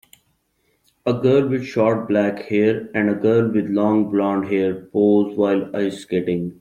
A girl with short black hair and a girl with long blondhair pose while ice skating.